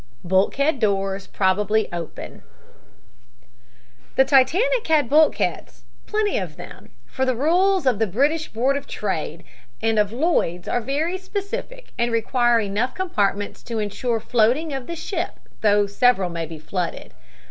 BULKHEAD DOORS PROBABLY OPEN "The Titanic had bulkheads, plenty of them, for the rules of the British Board of Trade and of Lloyds are very specific and require enough compartments to insure floating of the ship though several may be flooded.